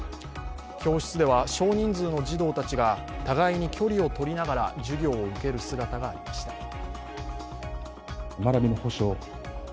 教室では少人数の児童たちが互いに距離を取りながら、授業を受ける姿がありました。